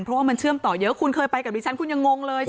เพราะว่ามันเชื่อมต่อเยอะคุณเคยไปกับดิฉันคุณยังงงเลย